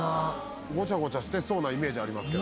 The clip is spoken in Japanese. ごちゃごちゃしてそうなイメージありますけど。